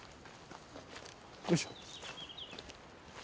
よいしょ。